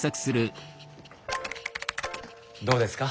どうですか？